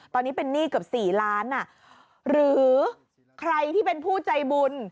ตอนนี้เป็นหนี้เกือบ๔ล้านหรือใครที่เป็นผู้ใจบุญ